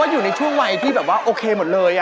เขาเรียกว่าโอเคหมดเลย